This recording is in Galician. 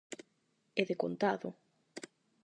E decontado.